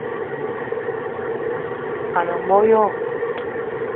A ne mbo yo